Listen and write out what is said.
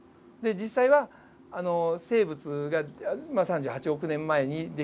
実際は生物が３８億年前に出来上がった。